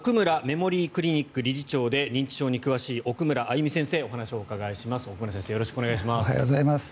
メモリークリニック理事長で認知症に詳しい奥村歩先生にお話をお伺いします。